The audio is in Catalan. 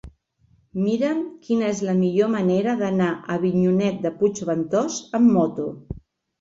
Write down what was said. Mira'm quina és la millor manera d'anar a Avinyonet de Puigventós amb moto.